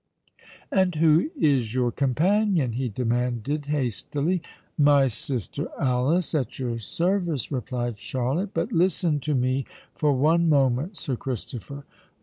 "And who is your companion?" he demanded hastily. "My sister Alice—at your service," replied Charlotte. "But listen to me for one moment, Sir Christopher!"